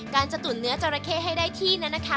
จะตุ๋นเนื้อจราเข้ให้ได้ที่นั้นนะคะ